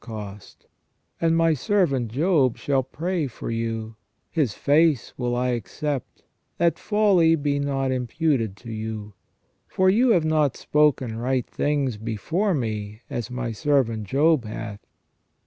caust : and my servant Job shall pray for you : his face will I accept, that folly be not imputed to you : for you have not spoken right things before me, as my servant Job hath.